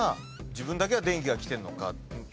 自分だけが電気が来てるのかっていう。